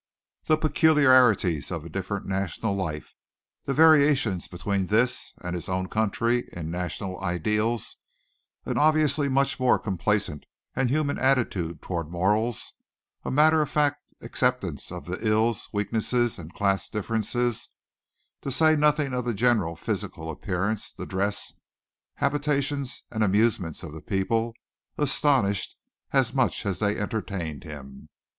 The peculiarities of a different national life, the variations between this and his own country in national ideals, an obviously much more complaisant and human attitude toward morals, a matter of fact acceptance of the ills, weaknesses and class differences, to say nothing of the general physical appearance, the dress, habitations and amusements of the people, astonished as much as they entertained him.